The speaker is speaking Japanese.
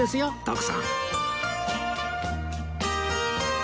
徳さん